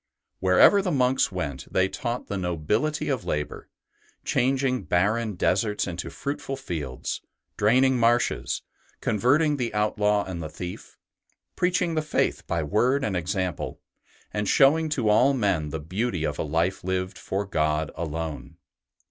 Wherever the monks went they taught the nobility of labour, changing barren deserts into fruitful ST. BENEDICT 117 fields, draining marshes, converting the out law and the thief, preaching the Faith by word and example, and showing to all men the beauty of a life lived for God alone.